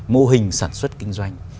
mô hình sản xuất kinh doanh